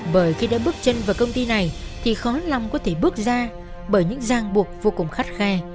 bởi khi đã bước chân vào công ty này thì khó lòng có thể bước ra bởi những giang buộc vô cùng khắt khe